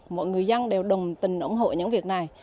mọi người dân đều đồng tình ủng hộ những việc này